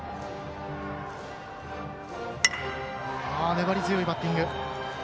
粘り強いバッティング。